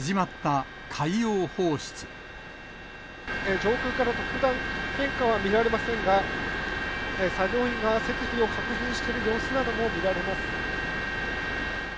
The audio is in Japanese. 上空から特段変化は見られませんが、作業員が設備を確認している様子なども見られます。